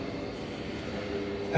え？